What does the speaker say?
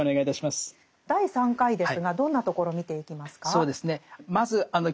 第３回ですがどんなところを見ていきますか？